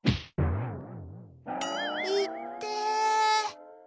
いってえ。